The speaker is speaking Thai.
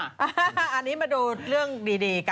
อันนี้ดูเรื่องดีกันน่ะคะ